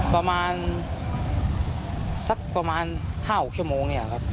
ประมาณสักประมาณ๕๖ชั่วโมงเนี่ยครับ